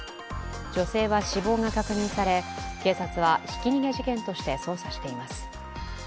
女性は死亡が確認され、警察はひき逃げ事件として捜査しています。